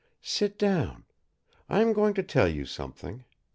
"Sit down. I am going to tell you something.